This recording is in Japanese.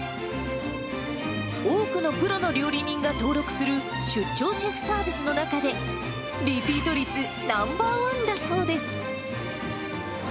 多くのプロの料理人が登録する出張シェフサービスの中で、リピート率ナンバー１だそうです。